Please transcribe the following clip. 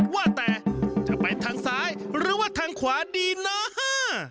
ว่าแต่จะไปทางซ้ายหรือว่าทางขวาดีเนาะ